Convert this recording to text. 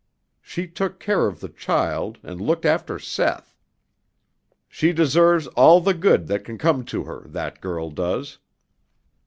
She took care of the child and looked after Seth. She deserves all the good that can come to her, that girl does."